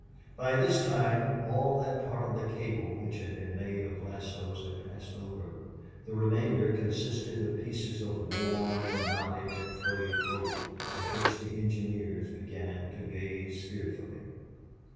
By this time all that part of the cable which had been made of lassoes had passed over; the remainder consisted of pieces of worn and knotted and frayed rope, at which the engineers began to gaze fearfully.